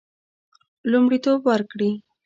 لومړیتوب ورکړي.